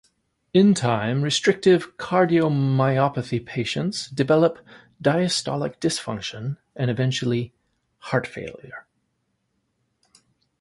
In time, restrictive cardiomyopathy patients develop diastolic dysfunction and eventually heart failure.